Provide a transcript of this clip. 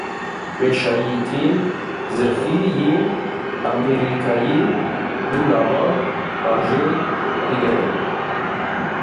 Wesayîtên zirxî yên Amerîkayê li nava bajêr digerin